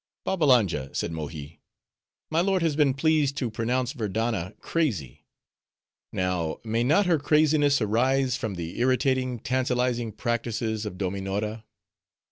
"Babbalanja," said Mohi, "my lord has been pleased to pronounce Verdanna crazy; now, may not her craziness arise from the irritating, tantalizing practices of Dominora?"